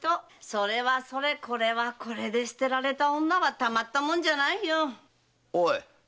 「それはそれ」で捨てられた女はたまったもんじゃないよ！おい！